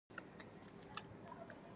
زردالو مینهوړ خوند لري.